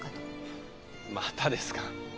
ハァまたですか。